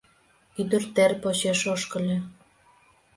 Ӱдыр тер почеш ошкыльо.